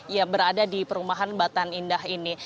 yang berada di perumahan batan indah ini